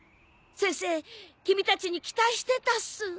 先生君たちに期待してたっす。